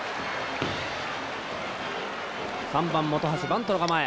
３番本橋バントの構え。